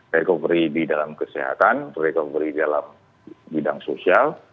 recovery di dalam kesehatan recovery dalam bidang sosial